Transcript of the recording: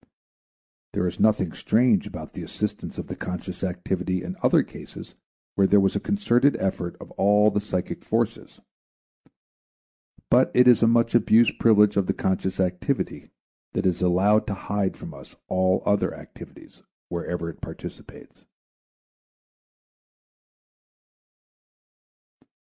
There is nothing strange about the assistance of the conscious activity in other cases where there was a concerted effort of all the psychic forces. But it is a much abused privilege of the conscious activity that it is allowed to hide from us all other activities wherever it participates.